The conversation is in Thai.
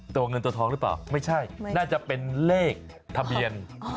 ตัวเงินตัวทองหรือเปล่าไม่ใช่น่าจะเป็นเลขทะเบียน